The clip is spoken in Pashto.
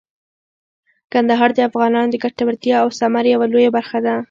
کندهار د افغانانو د ګټورتیا او ثمر یوه لویه برخه ده.